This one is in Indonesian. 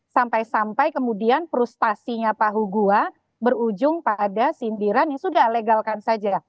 sampai sampai kemudian frustasinya pak hugua berujung pada sindiran ya sudah legalkan saja